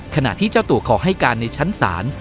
ขณะที่เจ้าตัวขอให้การในชั้นศาล